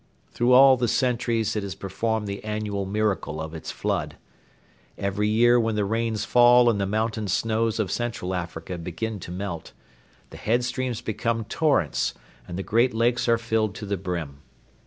Through all the centuries it has performed the annual miracle of its flood. Every year when the rains fall and the mountain snows of Central Africa begin to melt, the head streams become torrents and the great lakes are filled to the brim.